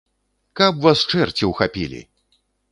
Каб вас чэрці ўхапілі!